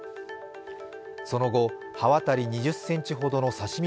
その後、刃渡り２０センチほどの刺身